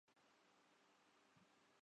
اسی طرح رحمان ملک کی دہشت گردی